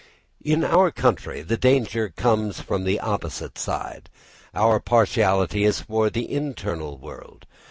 In our country the danger comes from the opposite side. Our partiality is for the internal world.